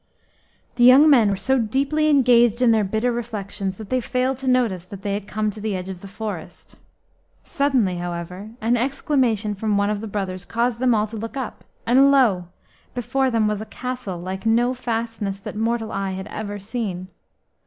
The young men were so deeply engaged in their bitter reflections that they failed to notice that they had come to the edge of the forest. Suddenly, however, an exclamation from one of the brothers caused them all to look up, and lo! before them was a castle like no fastness that mortal eye had ever seen.